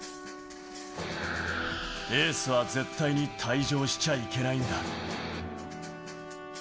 エースは絶対に退場しちゃいけないんだ。